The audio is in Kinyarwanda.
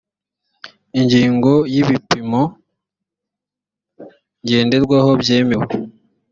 ingingo y’ ibipimo ngenderwaho byemewe